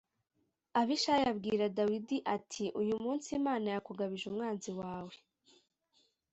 Abishayi abwira Dawidi ati “Uyu munsi Imana yakugabije umwanzi wawe.